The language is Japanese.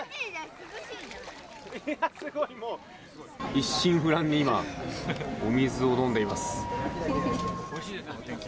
一心不乱に今、お水を飲んでいます。